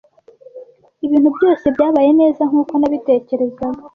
Ibintu byose byabaye neza nkuko nabitekerezaga.